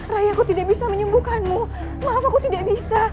rai aku tidak bisa menyembuhkanmu maaf aku tidak bisa